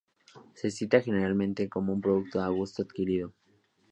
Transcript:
Se cita generalmente como un producto de gusto adquirido.